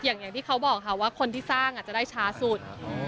อย่างที่บอกค่ะว่าคนที่สร้างจะได้ช้าสุด